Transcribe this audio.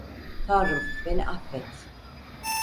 Tanrım beni affet.